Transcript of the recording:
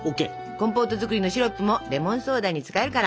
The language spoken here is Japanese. コンポート作りのシロップもレモンソーダに使えるから。